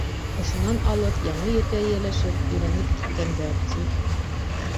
Ошонан алып яңы ергә эйәләшеп, өйрәнеп киткәндәр, ти.